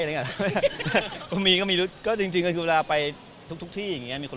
ถ้าไปแบบออฟฟิเชียลอย่างเงี้ย